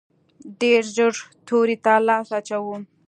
ډېر ژر تورې ته لاس اچوو.